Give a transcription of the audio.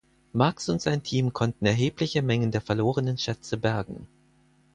Marx und sein Team konnten erhebliche Mengen der verlorenen Schätze bergen.